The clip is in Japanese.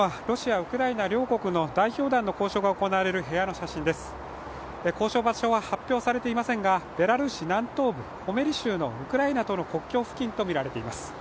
ロシア・ウクライナ、両国の代表団の交渉が行われる部屋の写真です、交渉場所は発表されていませんがベラルーシ南東部ホメリ州のウクライナとの国境付近とみられています。